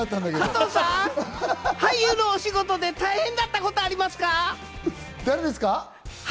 加藤さん、俳優のお仕事で大変だったことありますか？